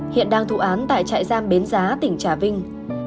hiện đang thụ án tại trại giam bến giá tỉnh trà vinh